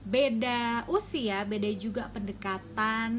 beda usia beda juga pendekatan